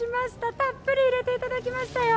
たっぷり入れていただきましたよ。